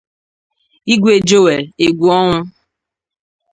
Igwe Joel Egwuọnwụ